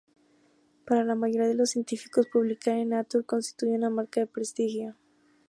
Para la mayoría de los científicos publicar en "Nature" constituye una marca de prestigio.